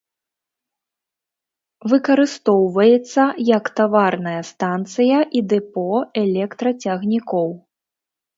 Выкарыстоўваецца як таварная станцыя і дэпо электрацягнікоў.